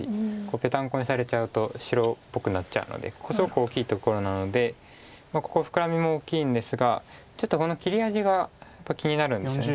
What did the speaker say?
ペタンコにされちゃうと白っぽくなっちゃうのでここすごく大きいところなのでここフクラミも大きいんですがちょっとこの切り味がやっぱり気になるんですよね。